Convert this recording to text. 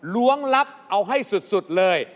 ล้วงลับเอาให้สุดเลย